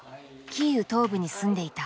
キーウ東部に住んでいた。